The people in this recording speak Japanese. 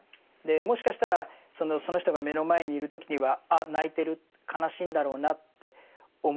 もしかしたらその人が目の前にいる時にはあ泣いてる悲しいんだろうなって思う。